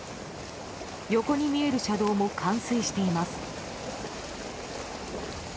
横に見える車道も冠水しています。